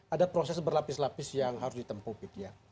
ada proses berlapis lapis yang harus ditempuh